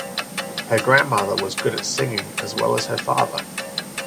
Her grandmother was good at singing as well as her father.